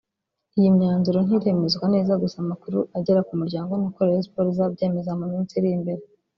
Iyi myinzuro ntiremezwa neza gusa amakuru agera ku muryango ni uko Rayon Sports izabyemeza mu minsi iri imbere